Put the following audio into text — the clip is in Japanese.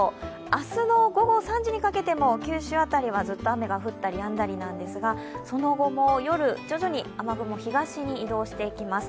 明日の午後３時にかけても九州辺りはずっと雨が降ったりやんだりなんですがその後も夜、徐々に雨雲、東に移動していきます。